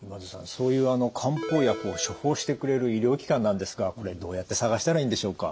そういう漢方薬を処方してくれる医療機関なんですがこれどうやって探したらいいんでしょうか？